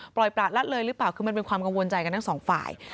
ประลัดเลยหรือเปล่าคือมันเป็นความกังวลใจกันทั้งสองฝ่าย